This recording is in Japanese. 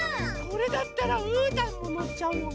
これだったらうーたんものっちゃうよ。